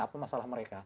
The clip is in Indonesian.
apa masalah mereka